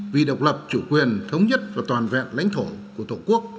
vì độc lập chủ quyền thống nhất và toàn vẹn lãnh thổ của tổ quốc